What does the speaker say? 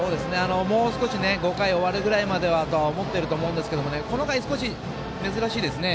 もう少し５回終わるぐらいまでとは思ってると思うんですけどこの回、少し珍しいですね。